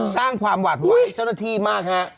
สร้างความหวาดหวายเจ้าหน้าที่มาก